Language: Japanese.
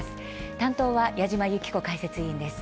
担当は矢島ゆき子解説委員です。